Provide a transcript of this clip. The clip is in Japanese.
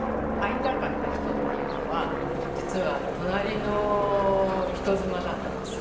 逢いたかった人っていうのは実は隣の人妻だったんです。